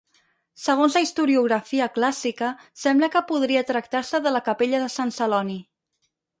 Segons la historiografia clàssica, sembla que podria tractar-se de la capella de Sant Celoni.